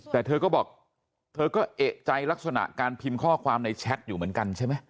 แต่เธอก็บอกเธอก็เอกใจลักษณะการพิมพ์ข้อความในแชทอยู่เหมือนกันใช่ไหม